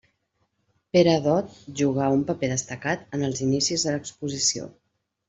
Pere Dot jugà un paper destacat en els inicis de l'exposició.